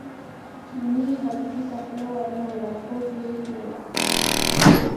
چیني هډوکي ته خوله ور نه وړه خوږ یې نه و.